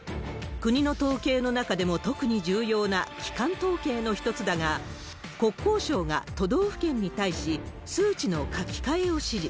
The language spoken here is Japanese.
国の統計の中でも特に重要な基幹統計の一つだが、国交省が都道府県に対し、数値の書き換えを指示。